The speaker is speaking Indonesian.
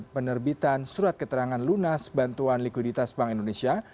penerbitan surat keterangan lunas bantuan likuiditas bank indonesia